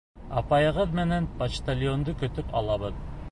Апайығыҙ менән почтальонды көтөп алабыҙ.